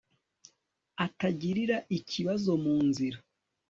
atagirira ikibazo munzira